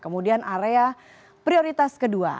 kemudian area prioritas kedua